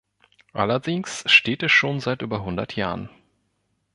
Allerdings steht es schon seit über hundert Jahren.